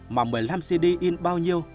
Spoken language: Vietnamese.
mà một mươi năm cd in bao nhiêu